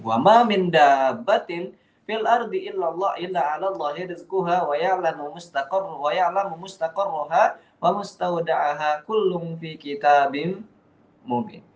kurang believe dengan apa yang allah katakan disini